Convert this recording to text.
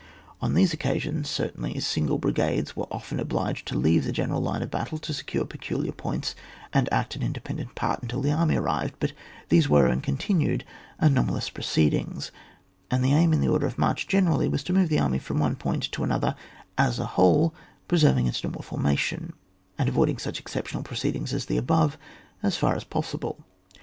On these occasions, cer tainly, single brigades were often obliged to leave the general line of battle to se cure particular points, and act an inde* pendent part until the army arrived : but these were, and continued, anomalous proceedings ; and the aim in the order of march generally was to move the army from one point to another as a whole, preserving its normal formation, and avoiding such exceptional proceedings as the above as far as possible.